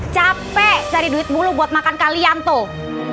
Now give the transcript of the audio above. capek dari duit bulu buat makan kalian tuh